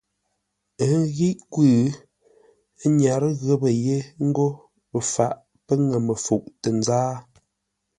Ə́ ghíʼ kwʉ́, ə́ nyárə́ ghəpə́ yé ńgó faʼ pə́ ŋə́ məfuʼ tə nzáa.